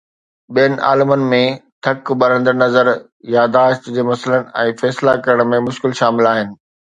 ٻين علامن ۾ ٿڪ، ٻرندڙ نظر، ياداشت جي مسئلن، ۽ فيصلا ڪرڻ ۾ مشڪل شامل آهن